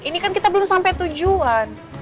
ini kan kita belum sampai tujuan